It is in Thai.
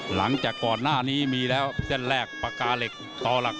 หลังจากก่อนหน้านี้มีแล้วเส้นแรกปากกาเหล็กต่อหลัก